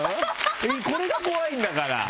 これが怖いんだから。